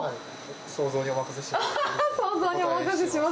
想像にお任せします。